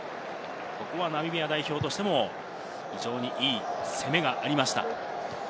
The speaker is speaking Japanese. ナミビア代表としても、非常にいい攻めがありました。